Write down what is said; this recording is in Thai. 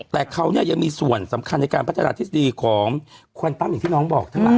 แต่เขายังมีส่วนสำคัญในการพัฒนาทฤษฎีของควันตั้มอย่างที่น้องบอกทั้งหลัง